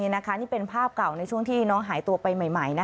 นี่เป็นภาพเก่าในช่วงที่น้องหายตัวไปใหม่